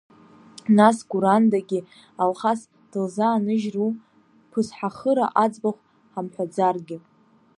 Нас Гәырандагьы Алхас дылзааныжьру, Ԥысҳахыра аӡбахә ҳамҳәаӡаргьы.